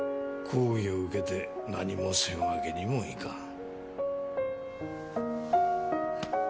抗議を受けて何もせんわけにもいかん。